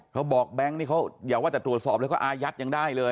เขาบอกแบงค์นี่เดี๋ยวว่าจะตรวจสอบเลยก็อายัดยังได้เลย